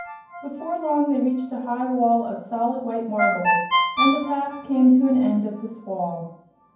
Before long they reached a high wall of solid white marble, and the path came to an end at this wall.